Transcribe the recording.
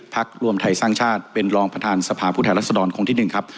รวมไทยสร้างชาติเป็นรองประธานสภาผู้แทนรัศดรคนที่๑ครับ